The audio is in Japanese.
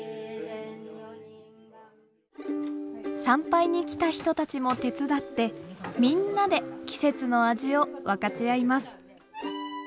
参拝に来た人たちも手伝ってみんなで季節の味を分かち合います。